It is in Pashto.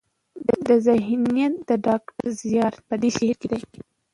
ذهنيت د ډاکټر زيار په دې شعر کې